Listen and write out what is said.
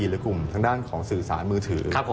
หรือกลุ่มทางด้านของสื่อสารมือถือ